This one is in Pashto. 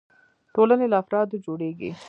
ټولنې له افرادو جوړيږي.